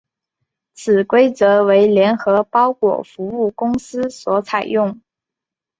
此规则为联合包裹服务公司所采用。